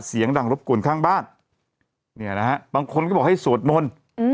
เสียงดังรบกวนข้างบ้านเนี่ยนะฮะบางคนก็บอกให้สวดมนต์